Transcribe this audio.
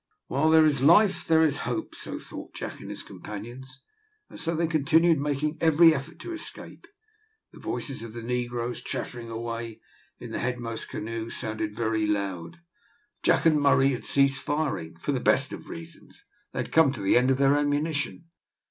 "While there is life there is hope;" so thought Jack and his companions, and so they continued making every effort to escape. The voices of the negroes chattering away in the headmost canoe, sounded very loud. Jack and Murray had ceased firing for the best of reasons they had come to the end of their ammunition.